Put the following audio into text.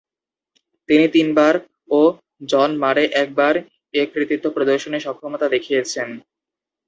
তিনি তিনবার ও জন মারে একবার এ কৃতিত্ব প্রদর্শনে সক্ষমতা দেখিয়েছেন।